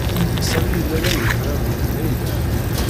Sami yella la yettṛaju Layla.